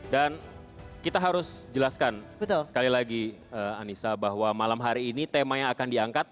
dan kita harus jelaskan sekali lagi anissa bahwa malam hari ini tema yang akan diangkat